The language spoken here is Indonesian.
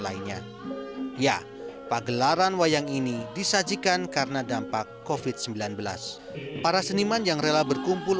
lainnya ya pagelaran wayang ini disajikan karena dampak kofit sembilan belas para seniman yang rela berkumpul